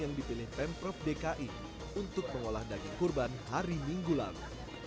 yang dipilih pemprov dki untuk mengolah daging kurban hari minggu lalu